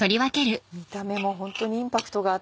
見た目もホントにインパクトがあって。